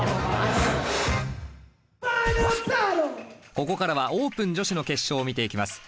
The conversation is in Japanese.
ここからはオープン女子の決勝を見ていきます。